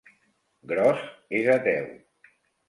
Gross és ateu.